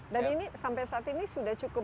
dan ini sampai saat ini sudah cukup